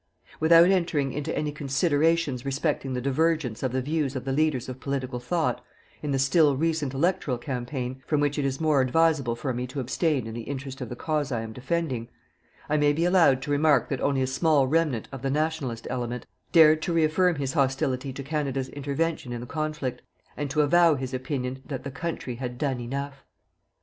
Without entering into any considerations respecting the divergence of the views of the leaders of political thought, in the still recent electoral campaign, from which it is more advisable for me to abstain in the interest of the cause I am defending I may be allowed to remark that only a small remnant of the "Nationalist" element dared to reaffirm his hostility to Canada's intervention in the conflict and to avow his opinion that the country had done enough.